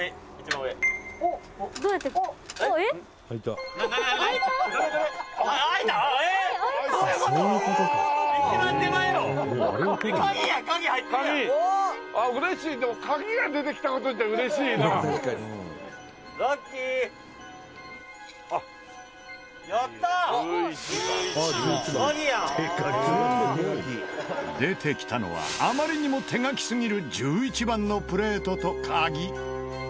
「１１番」「カギやん」出てきたのはあまりにも手書きすぎる１１番のプレートとカギ。